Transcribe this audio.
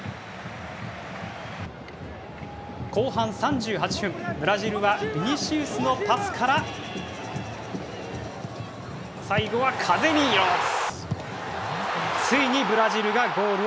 後半３８分、ブラジルはビニシウスのパスから最後は、カゼミーロ。